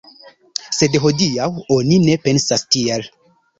Sed hodiaŭ oni ne pensas tiel.